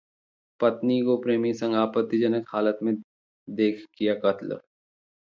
पत्नी को प्रेमी संग आपत्तिजनक हालत में देख किया 'कत्ल'